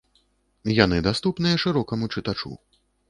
Яны даступныя шырокаму чытачу.